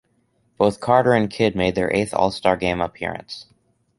Both Carter and Kidd made their eighth All-Star game appearance.